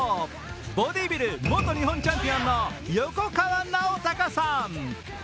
ボディービル元日本チャンピオンの横川尚隆さん。